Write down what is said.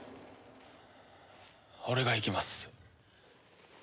俺が行きます。